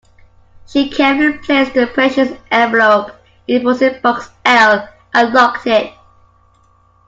She carefully placed the precious envelope in deposit box L and locked it.